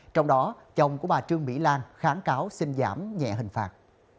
trong đó chồng của bà trương mỹ lan kháng cáo xin giảm nhẹ hình phạt